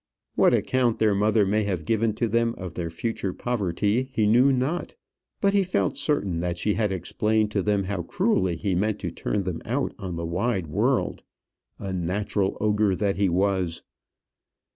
What account their mother may have given to them of their future poverty, he knew not; but he felt certain that she had explained to them how cruelly he meant to turn them out on the wide world; unnatural ogre that he was.